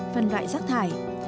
phân loại rác thải